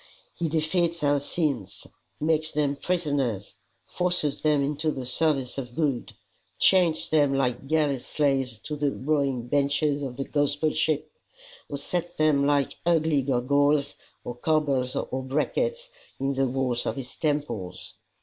He defeats our sins, makes them prisoners, forces them into the service of good, chains them like galley slaves to the rowing benches of the gospel ship, or sets them like ugly gurgoyles or corbels or brackets in the walls of his temples.